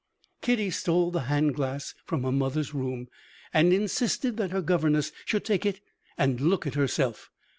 Kitty stole the hand glass from her mother's room, and insisted that her governess should take it and look at herself.